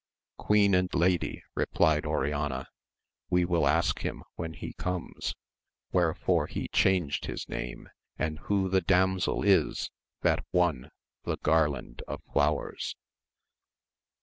Queen and lady, replied Oriana, we will ask him when he comes, wherefore he changed his name, and who the damsel is that won the garland of flowers.